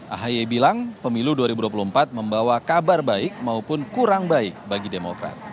ahy bilang pemilu dua ribu dua puluh empat membawa kabar baik maupun kurang baik bagi demokrat